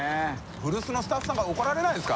古巣のスタッフさんから怒られないですか？